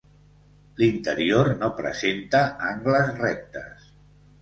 L'interior no presenta angles rectes.